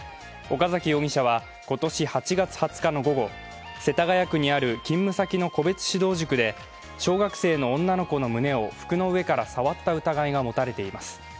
岡崎容疑者は今年８月２０日の午後世田谷区にある勤務先の個別指導塾で小学生の女の子の胸を服の上から触った疑いが持たれています。